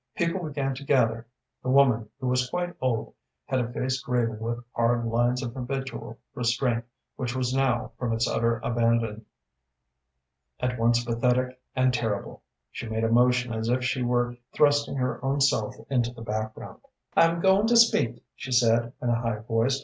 People began to gather. The woman, who was quite old, had a face graven with hard lines of habitual restraint, which was now, from its utter abandon, at once pathetic and terrible. She made a motion as if she were thrusting her own self into the background. "I'm goin' to speak," she said, in a high voice.